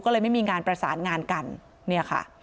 ก็เลยไม่มีงานประสานงานกันเนี่ยค่ะ